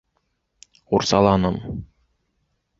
Ҡурсаланым.